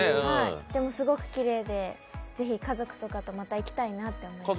でも、すごくきれいでぜひ家族とかとまた行きたいと思います。